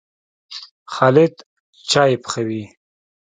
خالد چايي پخوي.